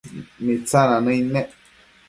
Mitsina nëid nec